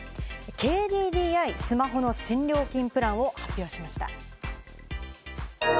ＫＤＤＩ、スマホの新料金プランを発表しました。